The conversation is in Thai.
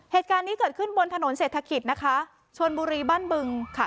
เหตุการณ์นี้เกิดขึ้นบนถนนเศรษฐกิจนะคะชนบุรีบ้านบึงค่ะ